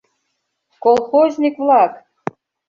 Колхозник-влак!..